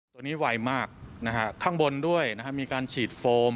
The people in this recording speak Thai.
ตัวนี้ไวมากข้างบนด้วยมีการฉีดโฟม